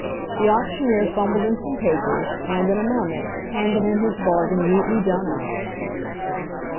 The auctioneer fumbled in some papers, and, in a moment, handed him his bargain neatly done up.